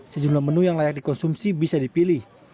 sejumlah menu yang layak dikonsumsi bisa dipilih